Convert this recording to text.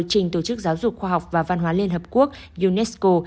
trình tổ chức giáo dục khoa học và văn hóa liên hợp quốc unesco